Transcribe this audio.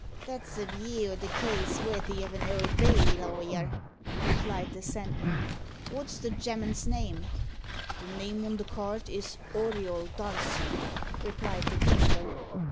"That's a view o' the case worthy of an Old Bailey lawyer," replied the Sandman. "Wot's the gemman's name?" "The name on the card is AURIOL DARCY," replied the Tinker.